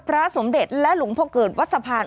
พระสมเดชม์และหลวงโพกเกิดวัดสะพาน